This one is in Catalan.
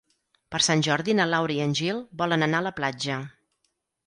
Per Sant Jordi na Laura i en Gil volen anar a la platja.